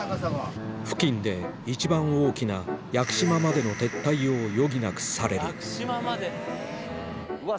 付近で一番大きな屋久島までの撤退を余儀なくされる屋久島まで？